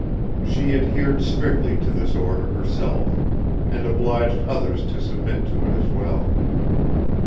She adhered strictly to this order herself and obliged others to submit to it as well.